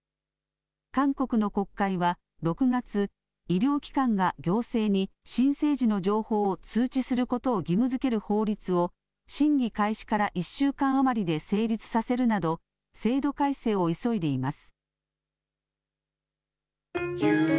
韓国の国会は、６月医療機関が行政に新生児の情報を通知することを義務づける法律を審議開始から１週間余りで成立させるなど制度改正を急いでいます。